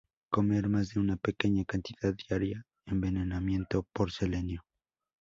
Comer más de una pequeña cantidad daría envenenamiento por selenio.